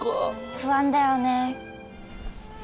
不安だよね？